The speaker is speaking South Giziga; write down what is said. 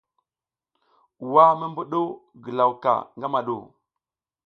Wa mi mbuɗuw ngilaw ka ngama ɗu ?